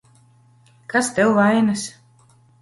Kas tev vainas?